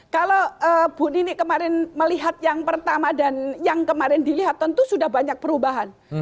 kalau bu nini kemarin melihat yang pertama dan yang kemarin dilihat tentu sudah banyak perubahan